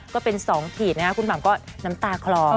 ก็เป็น๒ขีดนะครับคุณหม่ำก็น้ำตาคลอ